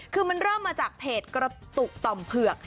คือมันเริ่มมาจากเพจกระตุกต่อมเผือก